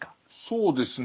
そうですね。